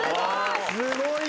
すごい。